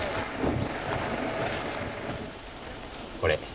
これ。